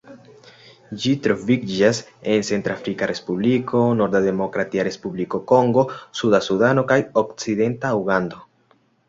Ĝi troviĝas en Centrafrika Respubliko, norda Demokratia Respubliko Kongo, suda Sudano kaj okcidenta Ugando.